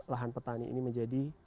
lahan petani ini menjadi